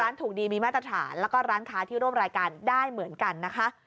ถูกดีมีมาตรฐานแล้วก็ร้านค้าที่ร่วมรายการได้เหมือนกันนะคะ